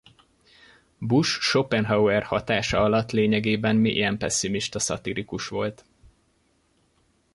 Busch Schopenhauer hatása alatt lényegében mélyen pesszimista szatirikus volt.